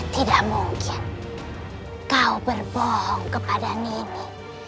tidak mungkin kau berbohong kepada nenek